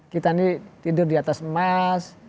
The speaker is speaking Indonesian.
kita ini tidur diatas emas